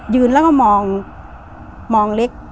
ยืนแล้วก็มองเล็ก